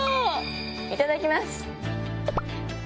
いただきます。